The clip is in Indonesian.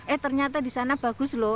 eh ternyata disana bagus lho